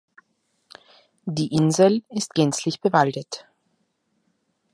Die Insel ist gänzlich bewaldet.